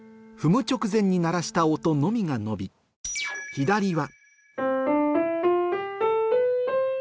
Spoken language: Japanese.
左は